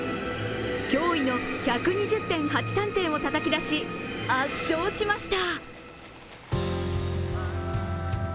驚異の１２０．８３点をたたきだし、圧勝しました。